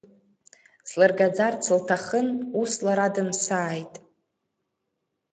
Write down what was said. Слыргаӡарц лҭахын, ус лара дымсааит!